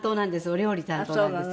お料理担当なんです。